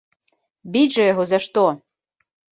Біць жа яго за што?!